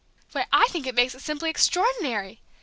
"Why, I think it makes it simply extraordinary!"